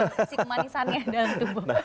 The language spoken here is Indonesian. isi kemanisannya dalam tubuh